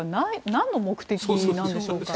なんの目的なんでしょうか。